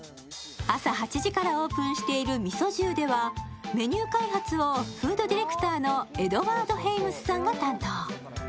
朝８時からオープンしているＭＩＳＯＪＹＵではメニュー開発をフードディレクターのエドワード・ヘイムスさんが担当。